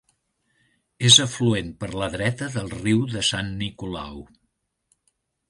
És afluent per la dreta del Riu de Sant Nicolau.